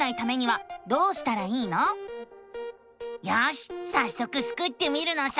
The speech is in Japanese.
よしさっそくスクってみるのさ！